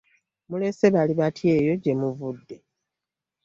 Mulese bali batya eyo gywmuvudde?